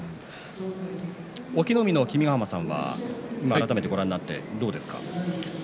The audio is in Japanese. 隠岐の海の君ヶ濱さんは改めてご覧になってどうですか？